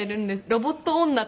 ロボット女？